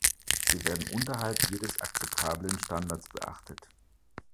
Sie werden unterhalb jedes akzeptablen Standards beachtet.